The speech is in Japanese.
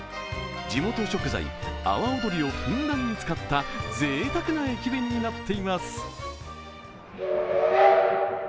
地元食材、阿波尾鶏をふんだんに使ったぜいたくな駅弁になっています。